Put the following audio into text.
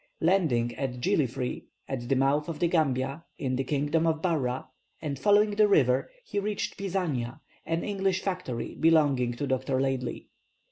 Landing at Jillifree, at the mouth of the Gambia, in the kingdom of Barra, and following the river, he reached Pisania, an English factory belonging to Dr. Laidley.